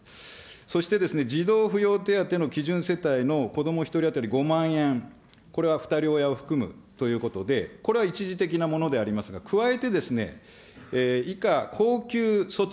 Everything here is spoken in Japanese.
そして、児童扶養手当の基準世帯の子ども１人当たり５万円、これは二人親を含むということで、これは一時的なものでありますが、加えて、以下、恒久措置。